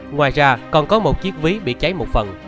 ngoài ra còn có một chiếc ví bị cháy một phần